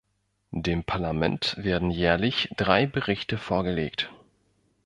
Dem Parlament werden jährlich drei Berichte vorgelegt.